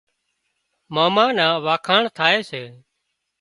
ماما نان وکاڻ ٿائي سي